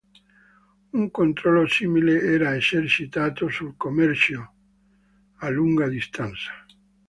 Un controllo simile era esercitato sul commercio a lunga distanza.